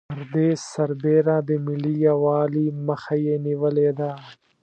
پر دې سربېره د ملي یوالي مخه یې نېولې ده.